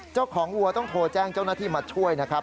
วัวต้องโทรแจ้งเจ้าหน้าที่มาช่วยนะครับ